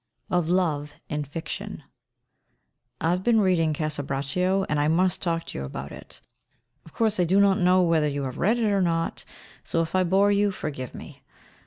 VI OF LOVE, IN FICTION I have been reading "Casa Braccio," and I must talk to you about it. Of course I do not know whether you have read it or not, so if I bore you forgive me.